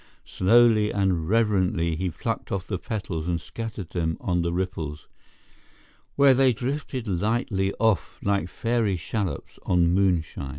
Slowly and reverently he plucked off the petals and scattered them on the ripples, where they drifted lightly off like fairy shallops on moonshine.